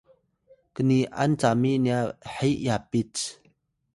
Pitay: kni’an cami nya he yapit